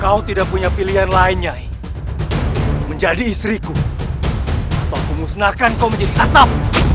kau tidak punya pilihan lainnya menjadi istriku atau memusnahkan kau menjadi asap